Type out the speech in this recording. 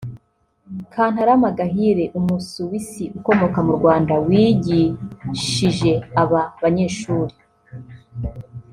Kantarama Gahigire [Umusuwisi ukomoka mu Rwanda] wigishije aba banyeshuri